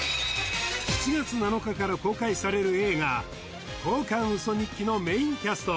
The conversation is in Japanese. ７月７日から公開される映画「交換ウソ日記」のメインキャスト